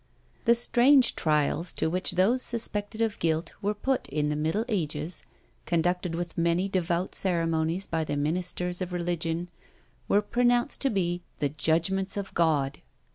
The strange trials to which those suspected of guilt were put in the middle ages, conducted with many devout ceremonies by the ministers of religion, were pronounced to be the judgments of God!